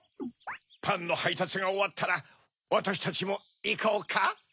パンのはいたつがおわったらわたしたちもいこうか？